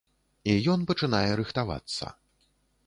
І ён пачынае рыхтавацца.